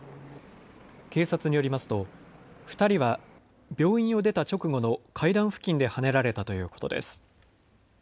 警察によりますと２人は病院を出た直後の階段付近ではねられたということです。